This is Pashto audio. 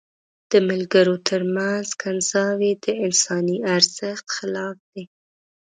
د ملګرو تر منځ کنځاوي د انساني ارزښت خلاف دي.